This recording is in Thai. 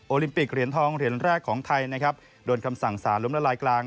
ลิมปิกเหรียญทองเหรียญแรกของไทยนะครับโดนคำสั่งสารล้มละลายกลาง